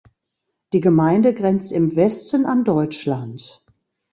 Die Gemeinde grenzt im Westen an Deutschland.